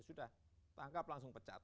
sudah tangkap langsung pecat